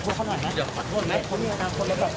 ขออนุญาตนะครับ